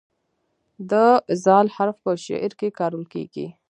د "ذ" حرف په شعر کې کارول کیږي.